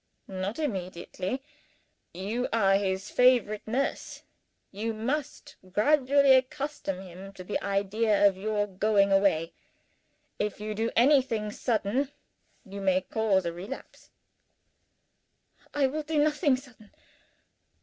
"Not immediately. You are his favorite nurse you must gradually accustom him to the idea of your going away. If you do anything sudden you may cause a relapse." "I will do nothing sudden.